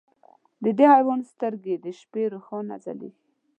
د دې حیوان سترګې د شپې روښانه ځلېږي.